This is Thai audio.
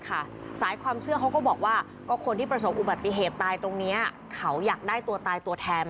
ความความความความความความความความความความความความความ